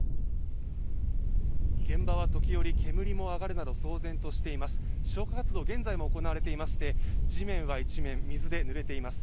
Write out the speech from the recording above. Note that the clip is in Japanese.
現場は時折煙も上がるなど騒然としています。